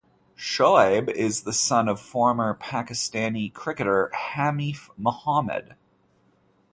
Shoaib is the son of former Pakistani cricketer Hanif Mohammad.